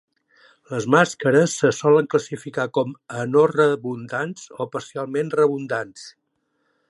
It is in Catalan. Les màscares se solen classificar com a no redundants o parcialment redundants.